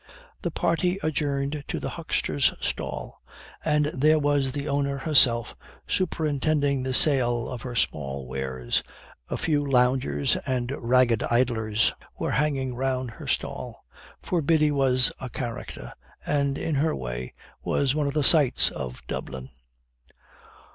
The party adjourned to the huckster's stall, and there was the owner herself, superintending the sale of her small wares a few loungers and ragged idlers were hanging round her stall for Biddy was 'a character,' and, in her way, was one of the sights of Dublin.